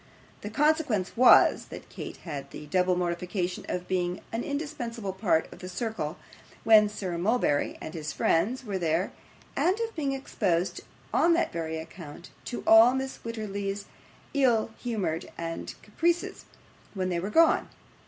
The consequence was, that Kate had the double mortification of being an indispensable part of the circle when Sir Mulberry and his friends were there, and of being exposed, on that very account, to all Mrs. Wititterly's ill humours and caprices when they were gone.